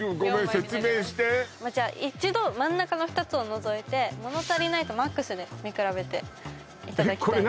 ごめん説明してじゃ一度真ん中の２つを除いて「物足りない」と「ＭＡＸ」で見比べていただきたいです